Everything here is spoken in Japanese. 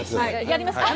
やりますか？